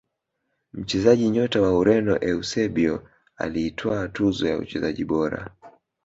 mchezaji nyota wa Ureno eusebio alitwaa tuzo ya uchezaji bora